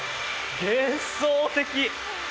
幻想的！